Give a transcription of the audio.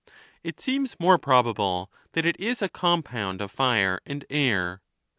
It seems more probable that it is a compound of fire and air.